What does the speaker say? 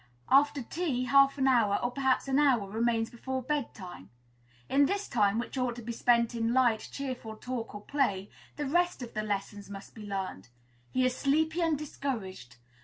After tea half an hour, or perhaps an hour, remains before bed time; in this time, which ought to be spent in light, cheerful talk or play, the rest of the lessons must be learned. He is sleepy and discouraged.